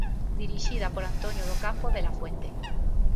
Dirixida por Antonio do Campo de la Fuente.